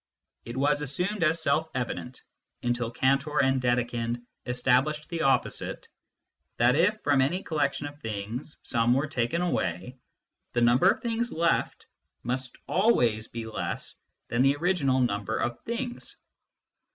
It was assumed as self evident, until Cantor and Dedekind established the opposite, that if, from any collection of things, some were taken away, the number of things left must always be less than the original number of things.